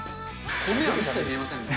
米は一切見えませんね。